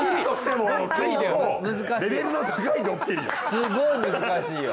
すごい難しいよ。